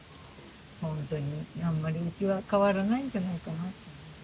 ほんとにあんまりうちは変わらないんじゃないかな。